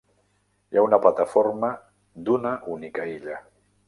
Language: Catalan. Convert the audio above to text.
Hi ha una plataforma d'una única illa.